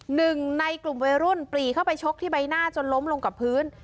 หนึ่งในกลุ่มวัยรุ่นปลีเข้าไปชกที่ใบหน้าจนล้มลงกับพื้น